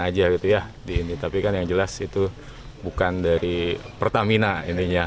aja gitu ya di ini tapi kan yang jelas itu bukan dari pertamina intinya apa namanya gudangnya gitu